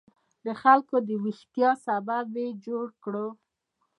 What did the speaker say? د خلکو د ویښتیا سبب یې جوړ کړو.